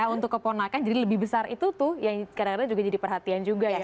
untuk keponakan jadi lebih besar itu tuh yang kadang kadang juga jadi perhatian juga ya